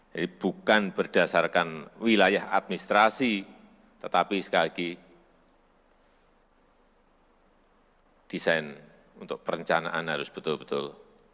jadi bukan berdasarkan wilayah administrasi tetapi sekali lagi desain untuk perencanaan harus betul betul